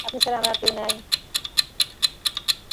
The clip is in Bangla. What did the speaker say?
আপনি ছাড়া আমার আর কেহ নাই।